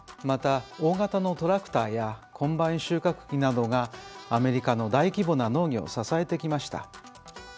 また大型のトラクターやコンバイン収穫機などがアメリカの大規模な農業を支えてきました。